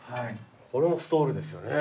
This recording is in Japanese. これもストールですよね。